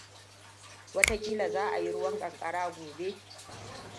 Wata kila za a yi ruwan kankara goɓe.